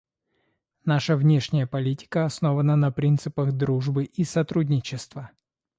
Наша внешняя политика основана на принципах дружбы и сотрудничества.